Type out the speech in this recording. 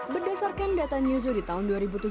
berdasarkan data newzoo di tahun dua ribu tujuh belas